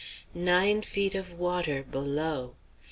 Nine feet of water below.